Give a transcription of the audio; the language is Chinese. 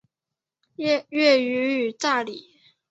粤语为炸厘。